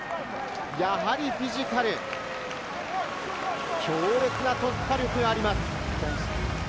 やはりフィジカル、強烈な突破力があります。